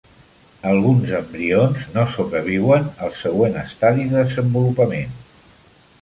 Alguns embrions no sobreviuen al següent estadi de desenvolupament.